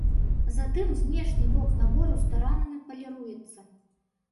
Затым знешні бок набору старанна паліруецца.